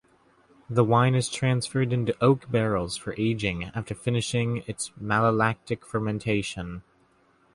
The wine is transferred into oak barrels for aging after finishing its malolactic fermentation.